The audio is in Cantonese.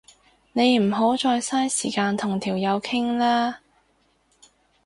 你唔好再嘥時間同條友傾啦